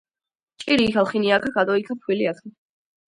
ჭირი იქა ლხინი აქა ქატო იქა ფქვილი აქა